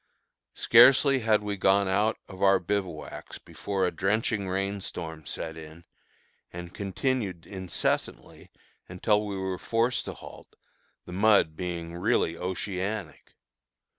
Scarcely had we gone out of our bivouacs before a drenching rain storm set in, and continued incessantly until we were forced to halt, the mud being really oceanic.